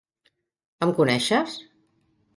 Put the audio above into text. Em coneixes?